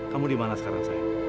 kamu dimana sekarang sayang